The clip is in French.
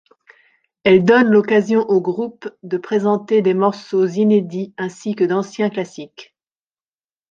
Elle donne l'occasion au groupe de présenter des morceaux inédits ainsi que d'anciens classiques.